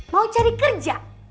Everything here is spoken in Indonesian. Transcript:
mau cari kerja